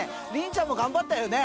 凛ちゃんも頑張ったよね。